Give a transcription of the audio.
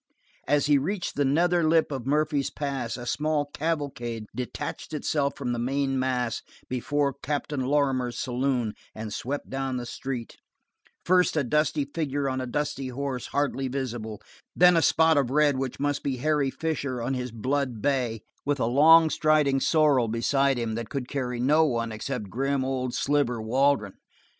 As he reached the nether lip of Murphy's Pass a small cavalcade detached itself from the main mass before Captain Lorrimer's saloon and swept down the street, first a dusty figure on a dusty horse, hardly visible; then a spot of red which must be Harry Fisher on his blood bay, with a long striding sorrel beside him that could carry no one except grim old Sliver Waldron.